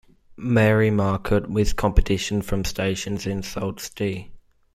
Marie market, with competition from stations in Sault Ste.